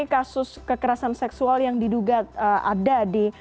kasus kekerasan seksual yang diduga ada di